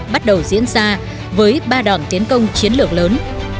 bắt đầu diễn ra với ba đòn tiến công chiến lược lớn